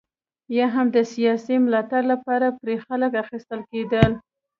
یا هم د سیاسي ملاتړ لپاره پرې خلک اخیستل کېدل.